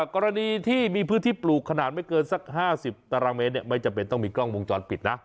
กรณีที่มีพื้นที่ปลูกขนาดไม่เกินสัก๕๐ตารางเมตรไม่จำเป็นต้องมีกล้องวงจรปิดนะ